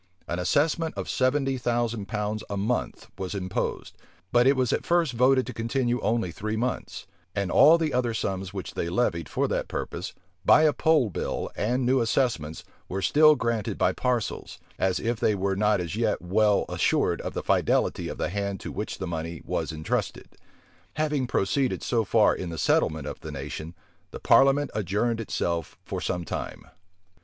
An assessment of seventy thousand pounds a month was imposed; but it was at first voted to continue only three months; and all the other sums which they levied for that purpose, by a poll bill and new assessments, were still granted by parcels, as if they were not as yet well assured of the fidelity of the hand to which the money was intrusted. Having proceeded so far in the settlement of the nation, the parliament adjourned itself for some time.